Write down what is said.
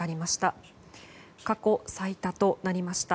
過去最多となりました。